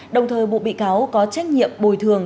đồng thời bộ bị cáo có trách nhiệm bồi thường